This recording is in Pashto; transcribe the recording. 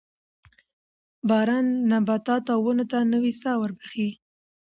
باران نباتاتو او ونو ته نوې ساه وربخښي